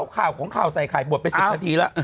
ข่าวของข่าวใส่ไข่บวชไป๑๐นาทีแล้ว